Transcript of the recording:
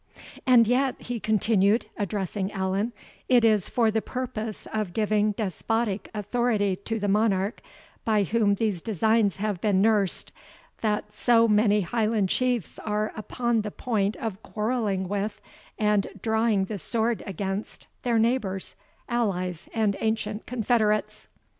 ] "And yet," he continued, addressing Allan, "it is for the purpose of giving despotic authority to the monarch by whom these designs have been nursed, that so many Highland Chiefs are upon the point of quarrelling with, and drawing the sword against, their neighbours, allies, and ancient confederates."